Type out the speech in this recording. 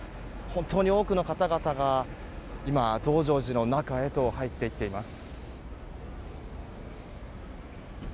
本当に多くの方々が今、増上寺の中へと入っていっています。